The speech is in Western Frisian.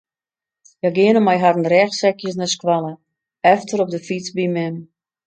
Hja geane mei harren rêchsekjes nei skoalle, efter op de fyts by mem.